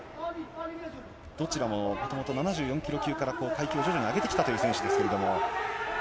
どちらももともと７４キロ級から、階級を徐々に上げてきたという選手ですけれども。